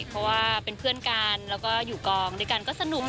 เพราะว่าเป็นเพื่อนกันแล้วก็อยู่กองด้วยกันก็สนุก